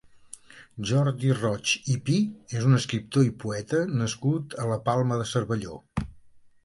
Jordi Roig i Pi és un escriptor i poeta nascut a la Palma de Cervelló.